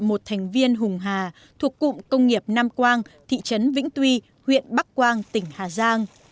một thành viên hùng hà thuộc cụm công nghiệp nam quang thị trấn vĩnh tuy huyện bắc quang tỉnh hà giang